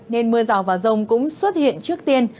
nên mưa rào và rông cũng xuất hiện trước tiên